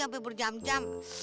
sampe berjam jam